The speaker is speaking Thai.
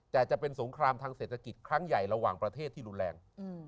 แต่จะเป็นสงครามทางเศรษฐกิจครั้งใหญ่ระหว่างประเทศที่รุนแรง